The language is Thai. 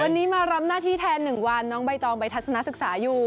วันนี้มารับหน้าที่แทน๑วันน้องใบตองไปทัศนศึกษาอยู่